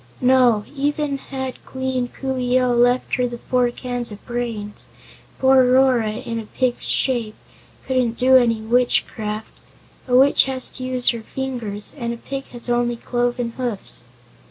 "No; even had Queen Coo ee oh left her the four cans of brains, poor Rora, in a pig's shape, couldn't do any witchcraft. A witch has to use her fingers, and a pig has only cloven hoofs."